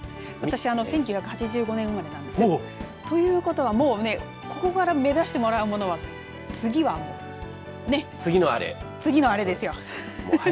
１９８５年生まれなんです。ということはここから目指してもらうものは次のアレですよ。